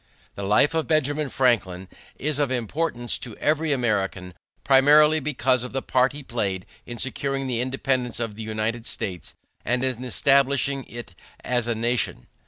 The life of Benjamin Franklin is of importance to every American primarily because of the part he played in securing the independence of the United States and in establishing it as a nation.